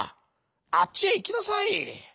あっちへいきなさい！」。